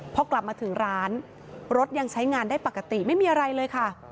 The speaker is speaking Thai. พอกลับมาถึงร้านรถยังใช้งานได้ปกติไม่มีอะไรเลยค่ะ